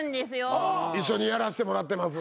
一緒にやらせてもらってます。